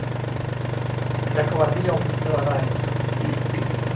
จักรวรรดินิยมคืออะไร ?